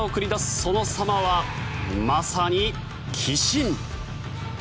その様はまさに鬼神。